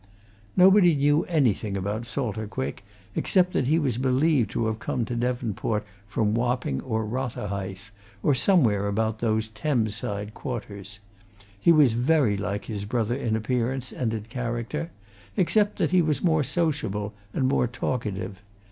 Nobody knew anything about Salter Quick, except that he was believed to have come to Devonport from Wapping or Rotherhithe, or somewhere about those Thames side quarters. He was very like his brother in appearance, and in character, except that he was more sociable, and more talkative.